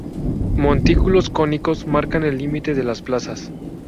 Montículos cónicos marcan el límite de las plazas.